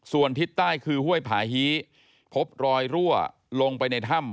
ส่วนทิศใต้คือห้วยผาฮีพบรอยรั่วลงไปในถ้ำ